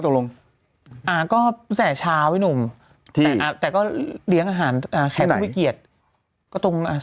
โอเคกำว่าก่อนกันสัก๑๐มวง